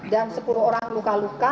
dan sepuluh orang luka luka